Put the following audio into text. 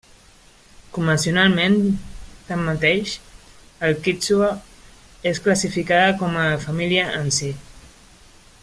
Convencionalment, tanmateix, el quítxua és classificada com a família en si.